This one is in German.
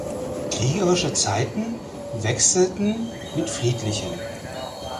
Kriegerische Zeiten wechselten mit friedlichen.